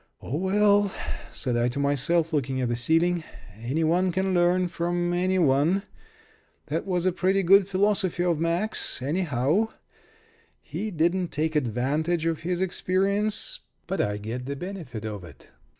"Oh, well," said I to myself, looking at the ceiling, "any one can learn from any one. That was a pretty good philosophy of Mack's, anyhow. He didn't take advantage of his experience, but I get the benefit of it.